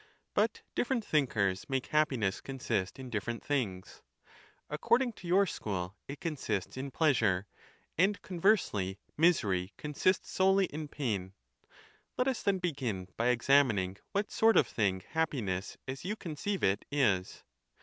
But different thinkers make happiness consist in different things. According to your school it consists in pleasure, and conversely misery consists solely in pain. Let us then begin by examining what sort of thing happiness as you conceive it is.